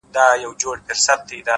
شاعري سمه ده چي ته غواړې-